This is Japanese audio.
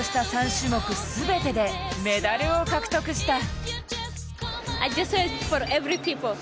３種目全てでメダルを獲得した。